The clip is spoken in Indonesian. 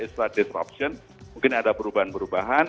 setelah disruption mungkin ada perubahan perubahan